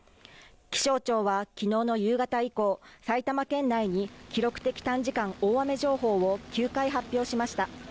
気象庁は昨日の夕方以降、埼玉県内に記録的短時間大雨情報を９回発表しました。